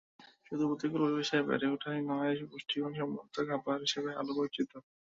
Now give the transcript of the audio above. শুধু প্রতিকূল পরিবেশে বেড়ে ওঠাই নয়, পুষ্টিগুণসম্পন্ন খাবার হিসেবেও আলু পরিচিত।